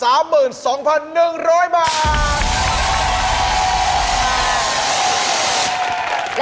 และในครั้งหน้านะ